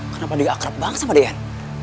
kenapa dia akrab banget sama dia